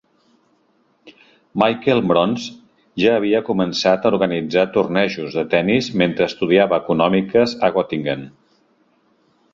Michael Mronz ja havia començat a organitzar tornejos de tennis mentre estudiava Econòmiques a Gottingen.